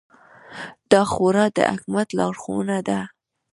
دا خورا د حکمت لارښوونه ده.